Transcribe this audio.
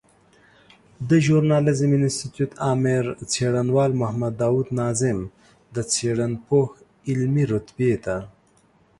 د ژورناليزم انستيتوت آمر څېړنوال محمد داود ناظم د څېړنپوه علمي رتبې ته